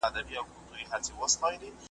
ژوندون که بد وي که ښه تیریږي `